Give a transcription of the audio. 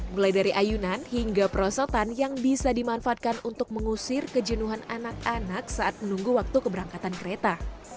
mulai dari ayunan hingga perosotan yang bisa dimanfaatkan untuk mengusir kejenuhan anak anak saat menunggu waktu keberangkatan kereta